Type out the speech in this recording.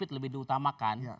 ini lebih diutamakan